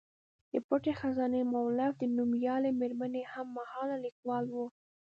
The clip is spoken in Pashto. د پټې خزانې مولف د نومیالۍ میرمنې هم مهاله لیکوال و.